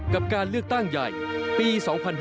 กับการเลือกตั้งใหญ่ปี๒๕๕๙